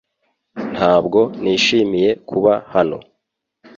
Ntabwo nishimiye kuba hano .